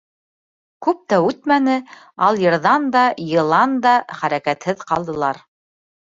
Күп тә үтмәне, алйырҙан да, йылан да хәрәкәтҙеҙ ҡалдылар.